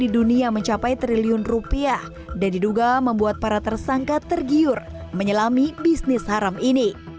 di dunia mencapai triliun rupiah dan diduga membuat para tersangka tergiur menyelami bisnis haram ini